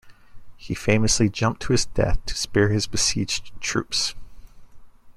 He famously jumped to his death to spare his besieged troops.